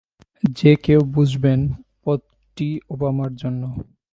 যে কেউ বুঝবেন, পদটি ওবামার জন্য।